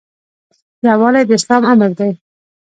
یووالی د اسلام امر دی